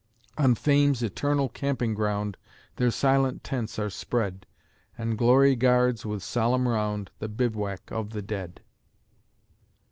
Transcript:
On Fame's eternal camping ground Their silent tents are spread, And Glory guards, with solemn round, The bivouac of the dead.